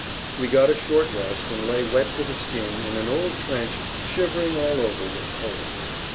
We got a short rest, and lay wet to the skin in an old trench shivering all over with cold.